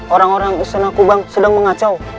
orang orang di sana kubang sedang mengacau